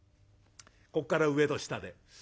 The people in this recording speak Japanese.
こっから上と下で。